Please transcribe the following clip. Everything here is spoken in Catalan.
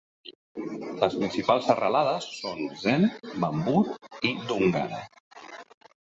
Les principals serralades són Zen, Bambore i Dungan.